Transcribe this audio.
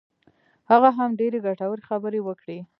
هغه هم ډېرې ګټورې خبرې وکړې.